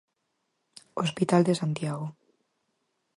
Hospital de Santiago.